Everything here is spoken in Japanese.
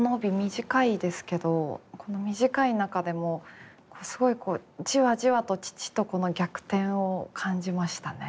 短いですけどこの短い中でもすごいじわじわと父と子の逆転を感じましたね。